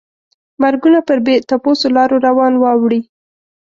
مرګونه پر بې تپوسو لارو روان واوړي.